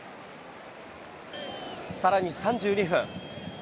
さらに３２分。